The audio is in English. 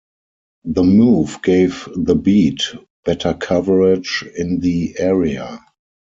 The move gave The Beat better coverage in the area.